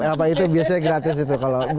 apa itu biasanya gratis itu kalau